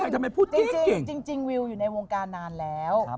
จริงวิวอยู่ในวงการนานแล้ว